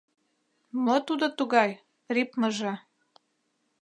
— Мо тудо тугай... рипмыже?